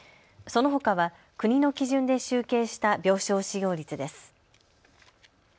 そのほかは国の基準で集計した病床使用率です。